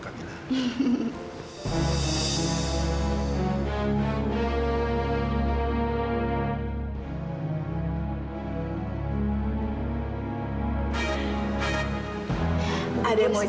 kamila kamu sudah beres beres